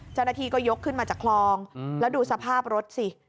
เจ้าหน้าที่ก็ยกขึ้นมาจากคลองแล้วดูสภาพรถสิ